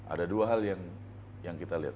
ada dua hal yang kita lihat